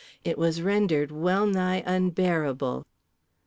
It was rendered well nigh unbearable.